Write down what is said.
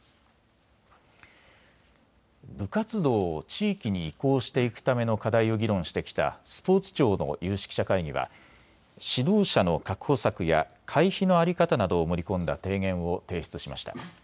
部活動を地域に移行していくための課題を議論してきたスポーツ庁の有識者会議は指導者の確保策や会費の在り方などを盛り込んだ提言を提出しました。